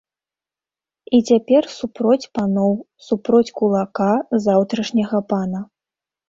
І цяпер супроць паноў, супроць кулака, заўтрашняга пана.